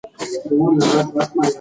علم د ټولنې د ثبات عامل دی.